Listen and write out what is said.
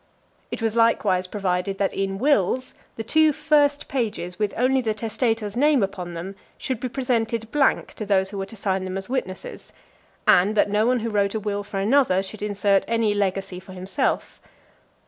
It was likewise provided that in wills, the two first pages, with only the testator's name upon them, should be presented blank to those who were to sign them as witnesses; and that no one who wrote a will for another, should insert any legacy for himself.